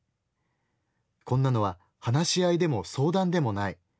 こんなのは話し合いでも相談でもない。